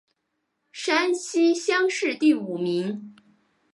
山西乡试第五名。